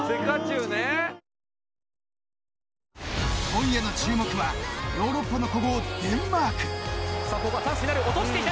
今夜の注目はヨーロッパの古豪デンマーク。